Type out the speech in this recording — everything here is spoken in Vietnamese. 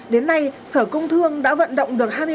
đến nay sở công thương đã vận động được